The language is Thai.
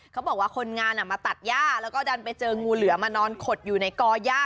เขาบอกว่าคนงานมาตัดย่าแล้วก็ดันไปเจองูเหลือมานอนขดอยู่ในก่อย่า